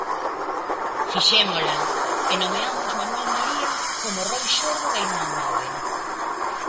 Fixémola e nomeamos Manuel María como Roi Xordo da Irmandade.